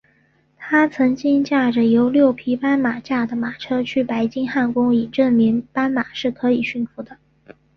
他曾经驾着由六匹斑马驾的马车去白金汉宫以证明斑马是可以驯服的。